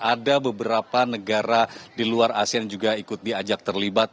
ada beberapa negara di luar asean juga ikut diajak terlibat